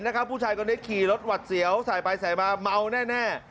นะครับผู้ชายก่อนนี้ขี่รถหวัดเสียวใส่ไปใส่มาเม่าแน่แน่